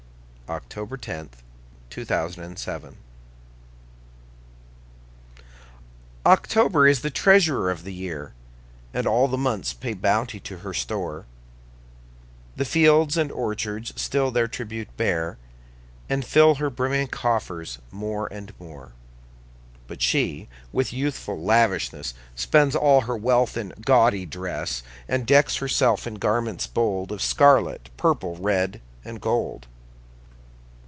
Paul Laurence Dunbar October OCTOBER is the treasurer of the year, And all the months pay bounty to her store: The fields and orchards still their tribute bear, And fill her brimming coffers more and more. But she, with youthful lavishness, Spends all her wealth in gaudy dress, And decks herself in garments bold Of scarlet, purple, red, and gold.